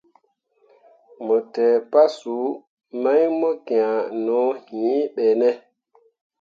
Mo te pasuu mai mo kian no yĩĩ ɓe ne.